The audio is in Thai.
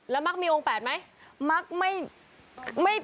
แล้วมักมีองค์แปดไหมมักไม่